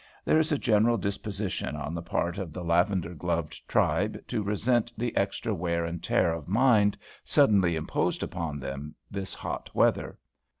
There is a general disposition on the part of the lavender gloved tribe to resent the extra wear and tear of mind suddenly imposed upon them this hot weather.